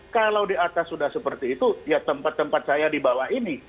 kalau di atas sudah seperti itu ya tempat tempat saya di bawah ini